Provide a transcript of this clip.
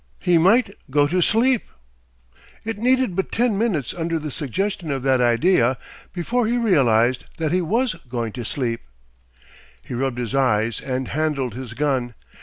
He might go to sleep! It needed but ten minutes under the suggestion of that idea, before he realised that he was going to sleep! He rubbed his eyes and handled his gun.